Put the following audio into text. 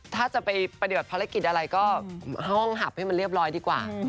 ถ้าจะไปปฏิบัติภารกิจอะไรก็ห้องหับให้มันเรียบร้อยดีกว่า